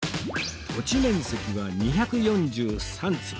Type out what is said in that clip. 土地面積は２４３坪